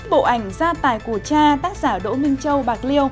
bộ ảnh gia tài của cha tác giả đỗ minh châu bạc liêu